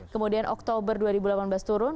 kemudian oktober dua ribu delapan belas turun